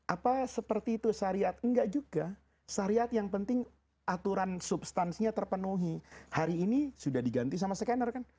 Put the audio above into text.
apa seperti itu syariat enggak juga syariat yang penting aturan substansinya terpenuhi hari ini sudah diganti sama scanner kan